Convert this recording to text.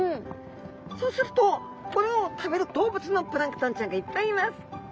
そうするとこれを食べる動物のプランクトンちゃんがいっぱいいます。